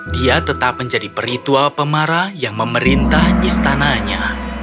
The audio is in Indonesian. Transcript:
dia tetap menjadi peritua pemarah yang memerintah istananya